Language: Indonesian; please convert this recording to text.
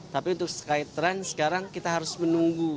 tapi untuk skytrain sekarang kita harus menunggu